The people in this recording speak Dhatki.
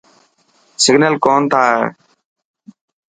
سگنل ڪون تا آئي.